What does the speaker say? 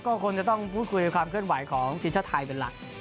ก็คงจะต้องพูดคุยความเคลื่อนไหวของทีมชาติไทยเป็นหลัก